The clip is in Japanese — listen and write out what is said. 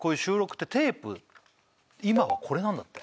今はこれなんだって